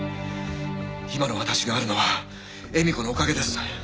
今の私があるのは絵美子のおかげです。